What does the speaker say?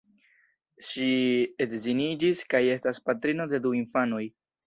Ŝi edziniĝis kaj estas patrino de du infanoj.